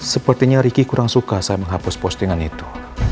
sepertinya riki kurang suka saya menghapus postingan itu